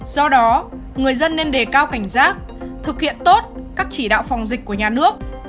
do đó người dân nên đề cao cảnh giác thực hiện tốt các chỉ đạo phòng dịch của nhà nước